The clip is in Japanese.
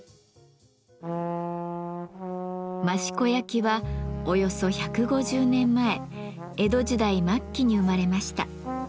益子焼はおよそ１５０年前江戸時代末期に生まれました。